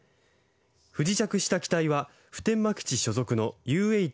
不時着した機体は普天間基地所属のＵＨ